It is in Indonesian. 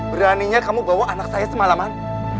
beraninya kamu bawa anak saya semalaman